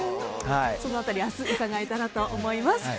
その辺り、明日に伺えたらと思います。